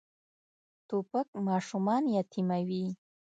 توپک ماشومان یتیموي.